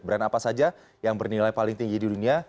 brand apa saja yang bernilai paling tinggi di dunia